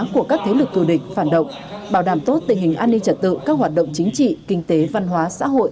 của các thế lực thù địch phản động bảo đảm tốt tình hình an ninh trật tự các hoạt động chính trị kinh tế văn hóa xã hội